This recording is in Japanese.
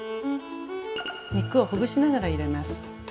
肉をほぐしながら入れます。